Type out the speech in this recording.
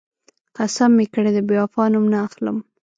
قسم مې کړی، د بېوفا نوم نه اخلم.